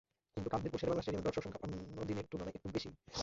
কিন্তু কাল মিরপুর শেরেবাংলা স্টেডিয়ামে দর্শকসংখ্যা অন্য দিনের তুলনায় একটু বেশিই।